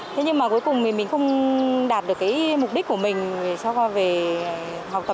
thế nhưng mà cuối cùng thì mình không đạt được cái mục đích của mình về học tập cho con ấy